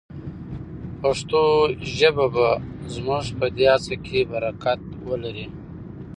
پښتو ژبه به زموږ په دې هڅه کې برکت ولري.